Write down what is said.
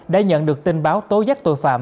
đã nhận được tin báo tố giác tội phạm